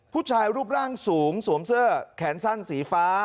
ผู้ชายรูปร่างสูงสวมเสื้อแขนสั้นสีฟ้า